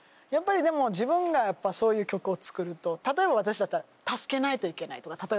やっぱりでも自分がそういう曲を作ると例えば私だったら「助けないといけない」とか。